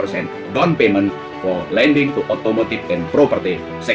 untuk pembayaran untuk pelaburan di sektor otomotif dan perusahaan